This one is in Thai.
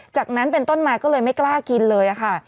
จากนั้นเป็นต้นมาก็เลยไม่กล้ากินเลยค่ะ